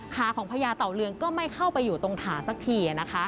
ขาของพญาเต่าเรืองก็ไม่เข้าไปอยู่ตรงขาสักทีนะคะ